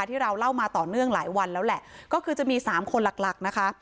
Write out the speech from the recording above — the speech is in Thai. ที่เราเล่ามาต่อเนื่องหลายวันแล้วแหละก็คือจะมีสามคนหลักหลักนะคะ